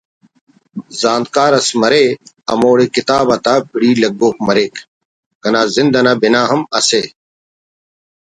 زانتکار اس مرے ہموڑے کتاب آتا پڑی لگوک مریک کنا زند انا بنا ہم اسہ